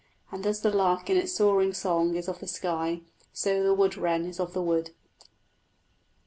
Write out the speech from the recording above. And as the lark in its soaring song is of the sky, so the wood wren is of the wood.